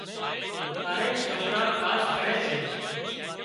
ڪاريڪ سوڪران ڪاش ڪري سي